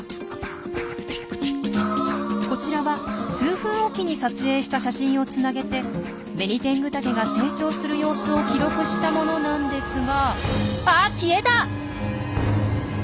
こちらは数分おきに撮影した写真をつなげてベニテングタケが成長する様子を記録したものなんですがあっ消えた！